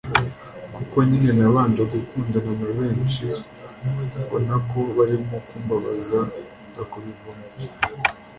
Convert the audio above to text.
kuko nyine nabanje gukundana na benshi mbonako barimo kumbabaza nzakubivamo